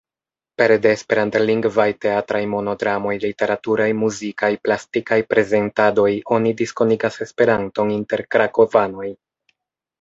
Pere de esperantlingvaj teatraj monodramoj, literaturaj, muzikaj, plastikaj prezentadoj, oni diskonigas Esperanton inter krakovanoj.